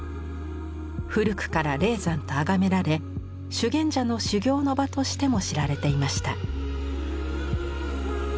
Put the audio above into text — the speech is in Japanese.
古くから霊山と崇められ修験者の修行の場としても知られていました。